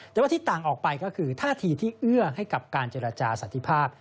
แต่ว่าที่ต่างออกไปก็คือท่าทีที่เอื้อให้กับการเจรจาสันติภาพ